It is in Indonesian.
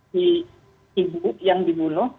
di ibu yang dibunuh